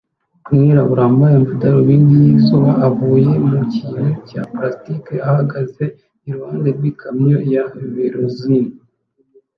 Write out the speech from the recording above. Umwirabura wambaye amadarubindi yizuba avuye mu kintu cya plastiki ahagaze iruhande rwikamyo ya Verizon